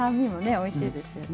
おいしいですよね。